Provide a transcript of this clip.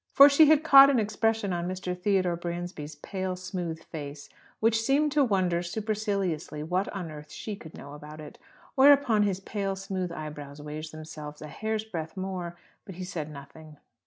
(For she had caught an expression on Mr. Theodore Bransby's pale, smooth face, which seemed to wonder superciliously what on earth she could know about it.) Whereupon his pale, smooth eyebrows raised themselves a hair's breadth more, but he said nothing.